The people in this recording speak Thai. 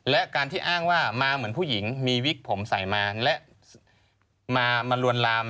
และการที่อ้างว่ามาเหมือนผู้หญิงมีวิกผมใส่มาและมาลวนลาม